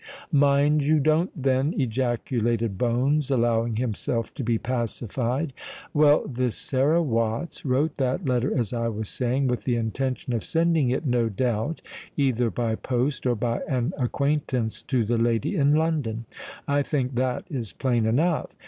"Mind you don't, then," ejaculated Bones, allowing himself to be pacified. "Well, this Sarah Watts wrote that letter, as I was saying, with the intention of sending it, no doubt, either by post or by an acquaintance to the lady in London. I think that is plain enough.